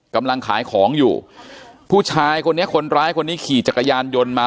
กำลังขายของอยู่ผู้ชายคนนี้คนร้ายคนนี้ขี่จักรยานยนต์มา